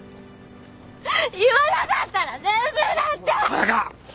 言わなかったら先生だって！